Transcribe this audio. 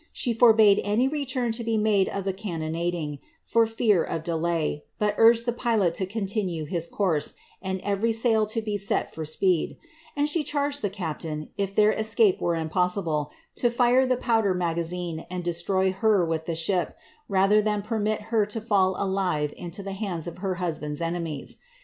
She forbade any return to be made of the cannonading, for fear of delay, but urged the pilot to continue his course, and every sail to be set for speed ; and she charged the captain, if their escape were impossible, to fire the powder magazine,' and destroy her with the ship, rather than permit her to fall alive into the hands of her husband^s enemies.